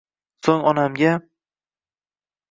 So`ng onamga